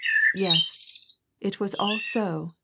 " Yes, it was all so